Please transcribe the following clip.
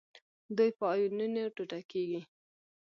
دوی په آیونونو ټوټه کیږي.